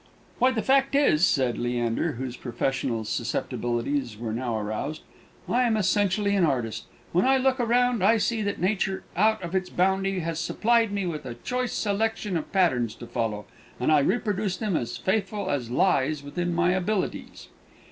"Why, the fact is," said Leander, whose professional susceptibilities were now aroused, "I am essentially an artist. When I look around, I see that Nature out of its bounty has supplied me with a choice selection of patterns to follow, and I reproduce them as faithful as lies within my abilities.